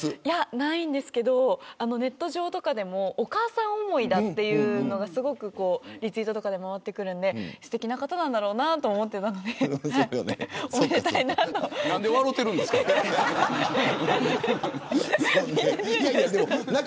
ないですけど、ネット上でもお母さん思いだというのがリツイートとかで回ってくるんですてきな方なんだろうなと思っていたので何で笑ってるんですか。